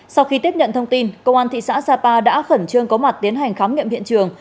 sau khi tiếp nhận thông tin công an thị xã sapa đã khẩn trương có mặt tiến hành khám nghiệm hiện trường